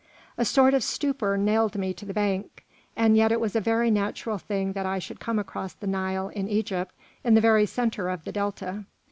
A sort of stupor nailed me to the bank, and yet it was a very natural thing that I should come across the Nile in Egypt in the very centre of the Delta.